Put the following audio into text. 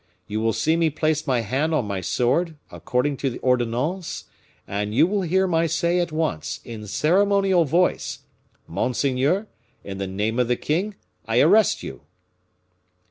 You will see me place my hand on my sword, according to the ordonnance, and you will hear my say at once, in ceremonial voice, 'Monseigneur, in the name of the king, I arrest you!